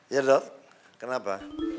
ya dok kenapa